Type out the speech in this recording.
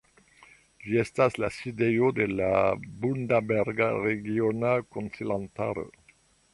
Ĝi estas la sidejo de la Bundaberga Regiona Konsilantaro.